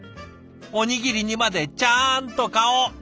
おにぎりにまでちゃんと顔！